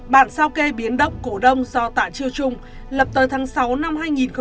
bản sao kê biến động cổ đông do tạ chiêu trung lập tới tháng sáu năm hai nghìn một mươi